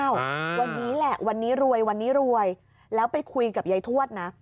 ๒๓๙วันนี้แหละวันนี้รวยแล้วไปคุยกับยายทวดนะ